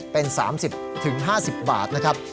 เป็น๓๐๕๐บาทนะครับ